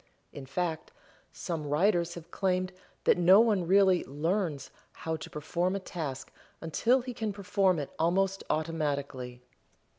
In fact, some writers have claimed that no one really "learns" how to perform a task until he can perform it almost automatically.